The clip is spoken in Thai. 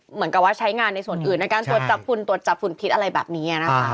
เหมือนกับว่าใช้งานในส่วนอื่นแบบการตรวจจับผลตรวจจับผลพิษอะไรแบบนี้